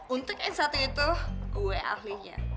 untuk yang satu itu kue ahlinya